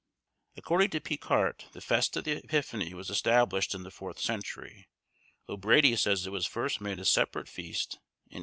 According to Picart, the Feast of the Epiphany was established in the fourth century, though Brady says it was first made a separate feast in 813.